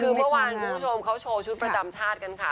คือเมื่อวานคุณผู้ชมเขาโชว์ชุดประจำชาติกันค่ะ